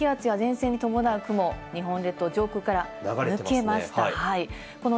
雨を降らした低気圧や前線に伴う雲、日本列島上空から抜けました。